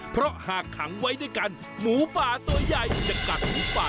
เพราะหากขังไว้ด้วยกันหมูป่าตัวใหญ่จะกัดหมูป่า